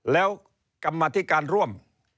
แล้วกรรมธิการร่วม